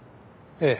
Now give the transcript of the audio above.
ええ。